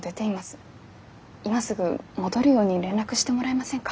今すぐ戻るように連絡してもらえませんか？